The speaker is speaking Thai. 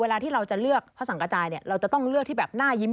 ที่เราจะเลือกพระสังกระจายเนี่ยเราจะต้องเลือกที่แบบหน้ายิ้ม